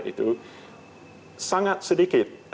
itu sangat sedikit